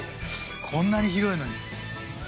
こんなに広いのに。